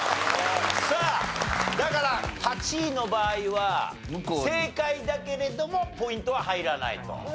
さあだから８位の場合は正解だけれどもポイントは入らないと。